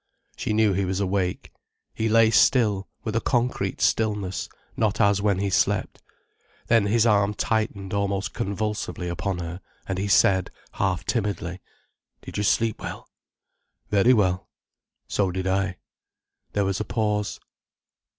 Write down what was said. She knew he was awake. He lay still, with a concrete stillness, not as when he slept. Then his arm tightened almost convulsively upon her, and he said, half timidly: "Did you sleep well?" "Very well." "So did I." There was a pause.